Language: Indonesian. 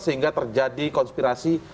sehingga terjadi konspirasi